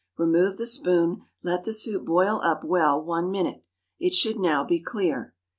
Remove the spoon, let the soup boil up well one minute. It should now be clear.